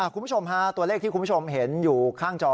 คุณผู้ชมฮะตัวเลขที่คุณผู้ชมเห็นอยู่ข้างจอ